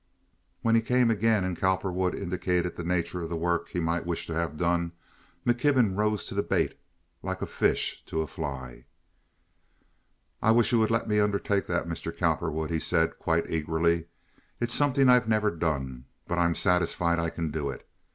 When he came again and Cowperwood indicated the nature of the work he might wish to have done McKibben rose to the bait like a fish to a fly. "I wish you would let me undertake that, Mr. Cowperwood," he said, quite eagerly. "It's something I've never done, but I'm satisfied I can do it.